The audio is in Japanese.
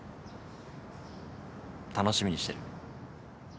楽しみにしてる。